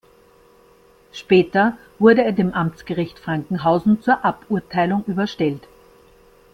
Später wurde er dem Amtsgericht Frankenhausen zur Aburteilung überstellt.